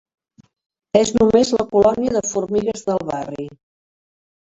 És només la colònia de formigues del barri.